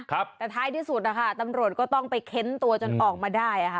แต่ท้ายที่สุดนะคะตำรวจก็ต้องไปเค้นตัวจนออกมาได้อ่ะค่ะ